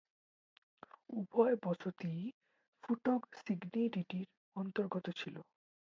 উভয় বসতিই ফুটোগ সিগনিরিটির অন্তর্গত ছিল।